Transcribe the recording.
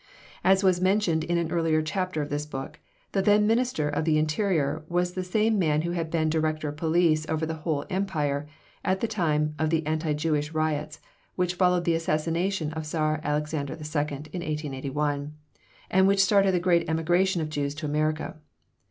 As was mentioned in an early chapter of this book, the then Minister of the Interior was the same man who had been Director of Police over the whole empire at the time of the anti Jewish riots which followed the assassination of Czar Alexander II. in 1881, and which started the great emigration of Jews to America.